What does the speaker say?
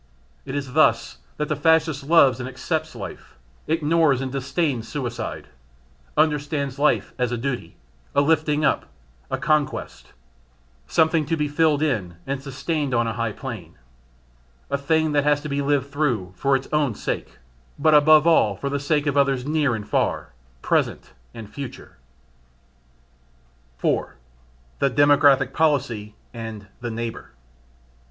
It is thus that the Fascist loves and accepts life, ignores and disdains suicide; understands life as a duty, a lifting up, a conquest; something to be filled in and sustained on a high plane; a thing that has to be lived through for its own sake, but above all for the sake of others near and far, present and future. 4. The Demographic Policy and the "Neighbour."